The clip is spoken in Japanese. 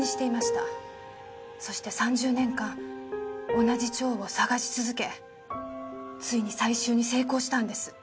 そして３０年間同じ蝶を探し続けついに採集に成功したんです。